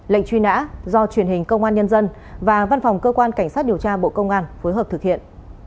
lệnh truy nã do truyền hình công an nhân dân và văn phòng cơ quan cảnh sát điều tra bộ công an phối hợp thực hiện